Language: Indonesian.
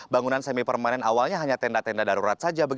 bangunan semi permanen awalnya hanya tenda tenda darurat saja